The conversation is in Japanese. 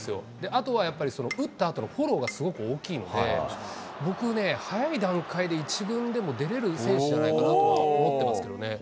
あとはやっぱり打ったあとのフォローがすごく大きいので、僕ね、早い段階で１軍でも出れる選手じゃないかなとは思ってますけどね。